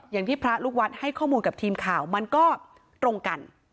อย่างที่พระลูกวัดให้ข้อมูลกับทีมข่าวมันก็ตรงกัน